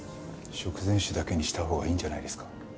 食前酒だけにしたほうがいいんじゃないですか？